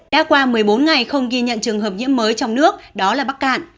đã qua một mươi bốn ngày không ghi nhận trường hợp nhiễm mới trong nước đó là bắc cạn